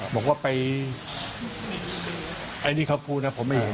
บอกว่าไปอันนี้เขาพูดนะผมไม่เห็น